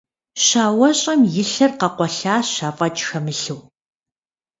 Щауэщӏэм и лъыр къэкъуэлъащ афӏэкӏ хэмылъу.